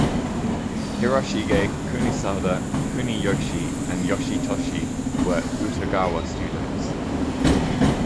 Hiroshige, Kunisada, Kuniyoshi and Yoshitoshi were Utagawa students.